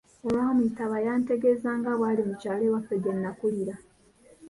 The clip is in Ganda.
Olwamuyitaba yantegeeza nga bw'ali mu kyalo ewaffe gye nnakulira.